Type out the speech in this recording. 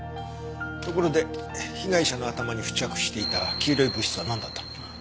ところで被害者の頭に付着していた黄色い物質はなんだったのかな？